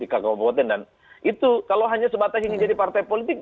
kalau hanya sebatas ini jadi partai politik